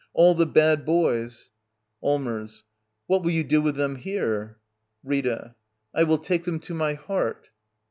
All the bad boys — Allmers. What will you do with them here? Rita. I will take them to my heart.